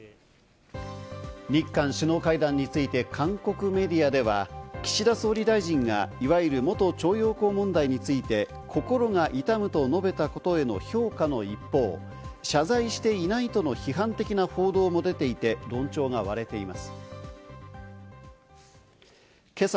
日韓首脳会談について韓国メディアでは岸田総理大臣がいわゆる元徴用工問題について心が痛むと述べたことへの評価の一方、謝罪していないとの批判的な報道も出ていて、論調が割れています。